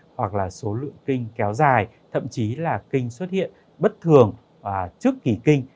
hoặc là số lượng kinh kéo dài thậm chí là kinh xuất hiện bất thường trước kỷ kinh